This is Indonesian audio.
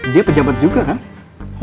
dia pejabat juga kan